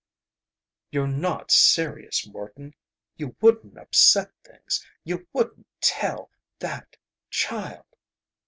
"You're not serious, Morton. You wouldn't upset things. You wouldn't tell that child!"